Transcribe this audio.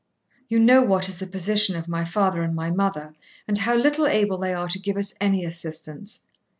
You know what is the position of my father and my mother, and how little able they are to give us any assistance.